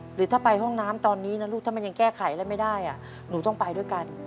หรือถ้าไปห้องน้ำตอนนี้นะลูกถ้ามันยังแก้ไขอะไรไม่ได้หนูต้องไปด้วยกัน